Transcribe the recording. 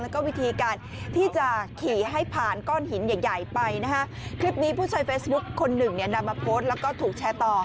แล้วก็วิธีการที่จะขี่ให้ผ่านก้อนหินใหญ่ไปนะคะ